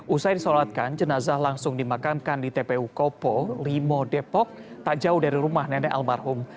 usai disolatkan jenazah langsung dimakamkan di tpu kopo lima depok tak jauh dari rumah nenek almarhum